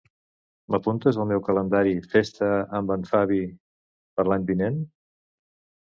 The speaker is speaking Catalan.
M'apuntes al meu calendari festa amb en Fabi per l'any vinent?